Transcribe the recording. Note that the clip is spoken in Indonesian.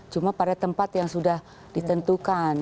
cuma pada tempat yang sudah ditentukan